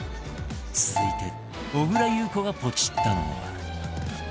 続いて小倉優子がポチったのは